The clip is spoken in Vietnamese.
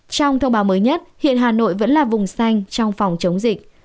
trong thông báo mới nhất hiện hà nội vẫn là vùng xanh trong phòng chống dịch